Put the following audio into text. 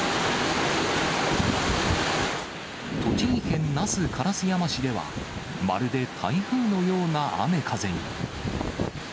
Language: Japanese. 栃木県那須烏山市では、まるで台風のような雨風に。